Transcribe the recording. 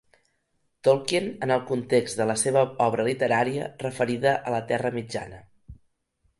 Tolkien en el context de la seva obra literària referida a la Terra Mitjana.